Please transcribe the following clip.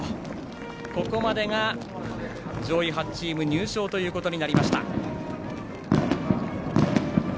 ここまでが上位８チーム入賞ということになりました。